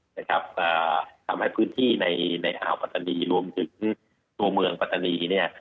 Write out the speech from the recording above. ทำให้พื้นที่ในอาวุธปัตตานีรวมถึงตัวเมืองปัตตานี